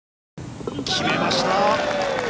決めました。